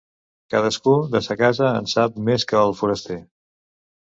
Cadascú de sa casa en sap més que el foraster.